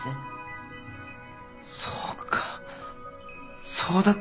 そうかそうだったのか。